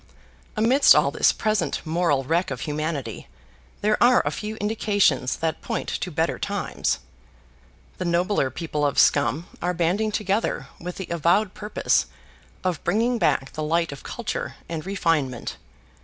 Amidst all this present moral wreck of humanity, there are a few indications that point to better times. The nobler people of Scum are banding together with the avowed purpose of bringing back the light of culture and refinement.